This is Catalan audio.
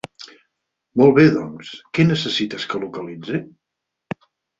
Molt bé doncs, què necessitis que localitzi?